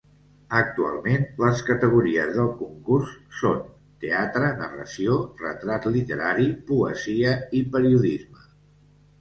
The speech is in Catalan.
Actualment, les categories del concurs són: teatre, narració, retrat literari, poesia i periodisme.